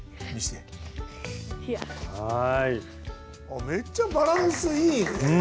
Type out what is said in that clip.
あっめっちゃバランスいいね。